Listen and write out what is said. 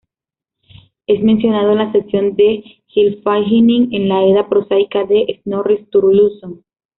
Es mencionado en la sección de Gylfaginning en la Edda prosaica de Snorri Sturluson.